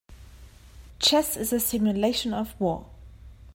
Chess is a simulation of war.